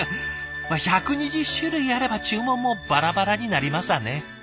まあ１２０種類あれば注文もバラバラになりますわね。